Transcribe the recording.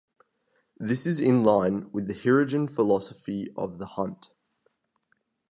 This is in line with the Hirogen philosophy of the hunt.